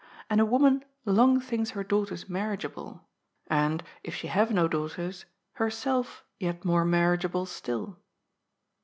And a woman long thinks her daughters marriageable, and, if she have no daughters, herself yet more marriageable still.